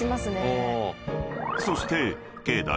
［そして］